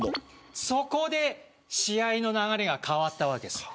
そこで試合の流れが変わったわけです。